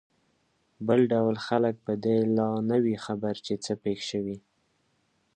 بل ډول خلک په دې لا نه وي خبر چې څه پېښ شوي.